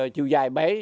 chiều dài bấy